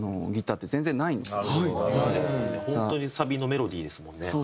本当にサビのメロディーですもんね。